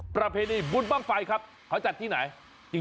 ประเพณีบุญบ้างไฟครับเขาจัดที่ไหน